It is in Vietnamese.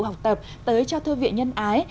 học tập tới cho thư viện nhân ái